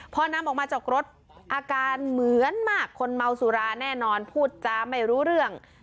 พอนำออกมาจากรถอาการเหมือนมากคนเมาสุราแน่นอนพูดจาไม่รู้เรื่อง